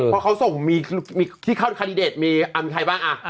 พอเขาส่งที่เข้าคาร์ดิเดตมีอันใครบ้าง